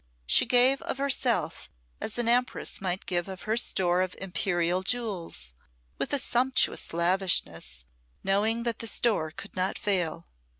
She gave of herself as an empress might give of her store of imperial jewels, with sumptuous lavishness, knowing that the store could not fail.